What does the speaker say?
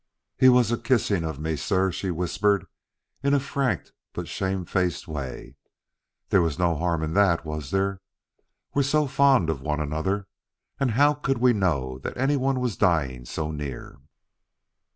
"He was a kissin' of me, sir," she whispered in a frank but shamefaced way. "There was no harm in that, was there? We're so fond of one another, and how could we know that anyone was dying so near?"